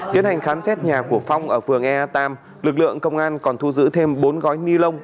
tiến hành khám xét nhà của phong ở phường ea tam lực lượng công an còn thu giữ thêm bốn gói ni lông